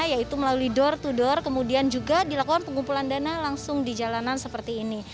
yaitu melalui door to door kemudian juga dilakukan pengumpulan dana langsung di jalanan seperti ini